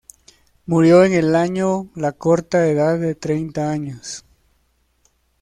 Murió en el año la corta edad de treinta años.